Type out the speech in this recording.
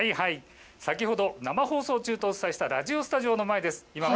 先ほど生放送中とお伝えしたラジオスタジオの前です。